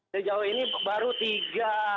sejauh ini baru tiga